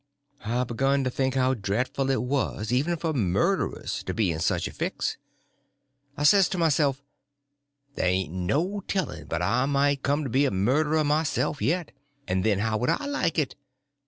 I begun to think how dreadful it was, even for murderers, to be in such a fix. I says to myself, there ain't no telling but I might come to be a murderer myself yet, and then how would I like it?